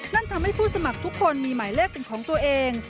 นั่นทำให้ผู้สมัครทุกคนมีหมายเลขเป็นของตัวเอง